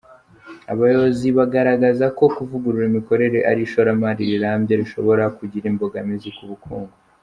Abayobozi bagaragaza ko kuvugurura imikorere ari ishoramari rirambye rishobora kugira imbogamizi ku bukungu.